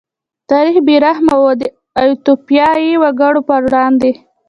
تاریخ بې رحمه و د ایتوپیايي وګړو په وړاندې.